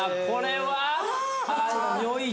これは？